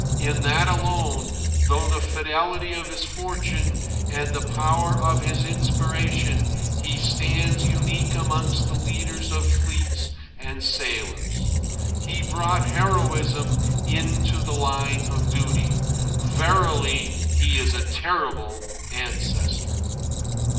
In that alone, through the fidelity of his fortune and the power of his inspiration, he stands unique amongst the leaders of fleets and sailors. He brought heroism into the line of duty. Verily he is a terrible ancestor.